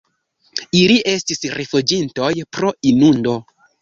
Ili estis rifuĝintoj pro inundo.